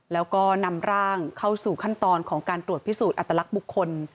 แล้วก็นำร่างเข้าสู่ขั้นตอนของการตรวจพิสูจน์อัตลักษณ์บุคคล